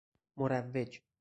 مروج